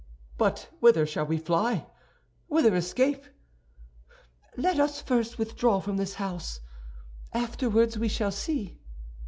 "But whither shall we fly—whither escape?" "Let us first withdraw from this house; afterward we shall see."